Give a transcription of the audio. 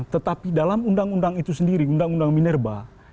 tetapi dalam undang undang itu sendiri undang undang minerba